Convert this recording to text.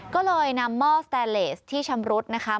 ก็เลยนำหม้อสแตนเลสที่ชำรุดนะคะ